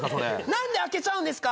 何で空けちゃうんですか！？